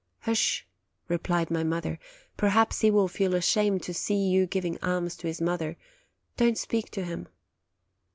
"Hush!" replied my mother; "perhaps he will feel ashamed to see you giving alms to his mother : don't speak to him."